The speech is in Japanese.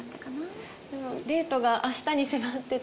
でもデートが明日に迫ってたので。